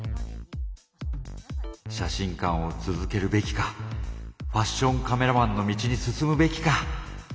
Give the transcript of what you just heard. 写真館を続けるべきかファッションカメラマンの道に進むべきか。